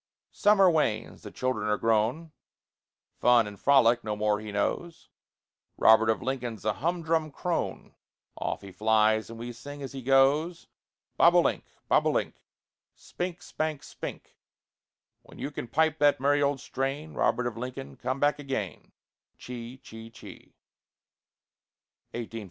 Summer wanes; the children are grown; Fun and frolic no more he knows; Robert of Lincoln's a humdrum crone; Off he flies, and we sing as he goes: Bob o' link, bob o' link, Spink, spank, spink; When you can pipe that merry old strain, Robert of Lincoln, come back again.